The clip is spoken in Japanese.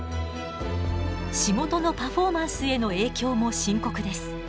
仕事のパフォーマンスへの影響も深刻です。